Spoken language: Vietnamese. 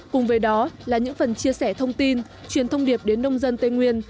cùng với đó là những phần chia sẻ thông tin truyền thông điệp đến nông dân tây nguyên